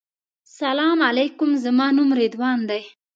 سلام علیکم زما نوم رضوان دی.